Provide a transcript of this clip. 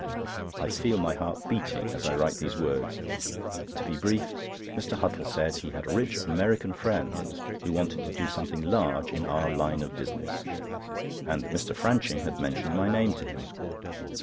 I feel my heart beating as I write these words. To be brief, Mr. Huttle said he had a rich American friend who wanted to do something large in our line of business, and that Mr. Franching had mentioned my name to him.